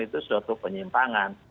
itu suatu penyimpangan